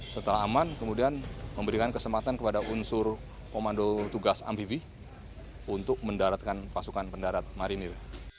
setelah aman kemudian memberikan kesempatan kepada unsur komando tugas amfibi untuk mendaratkan pasukan pendarat marinir